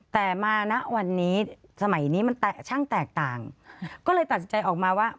แต่มาณวันนี้สมัยนี้มันช่างแตกต่างก็เลยตัดสินใจออกมาว่า